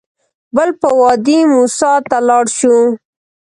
بل به وادي موسی ته لاړ شو.